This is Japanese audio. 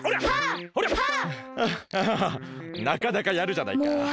あっはあなかなかやるじゃないか。